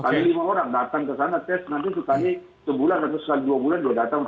sekali lima orang datang ke sana nanti sekali sebulan atau sekali dua bulan datang untuk tes kebutuhan pribadi dan keluarganya